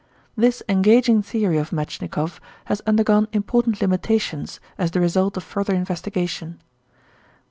This engaging theory of Metschnikoff has undergone important limitations as the result of further investigation.